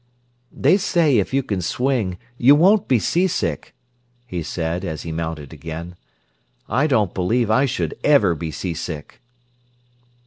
"They say if you can swing you won't be sea sick," he said, as he mounted again. "I don't believe I should ever be sea sick."